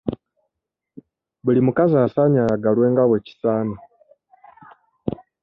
Buli mukazi asaanye ayagalwe nga bwe kisaana.